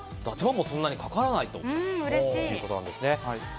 手間もそんなにかからないということですね。